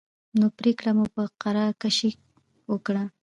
نو پرېکړه مو په قره کشۍ وکړه.